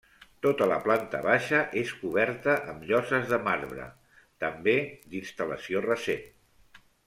Tota la planta baixa és coberta amb lloses de marbre, també d'instal·lació recent.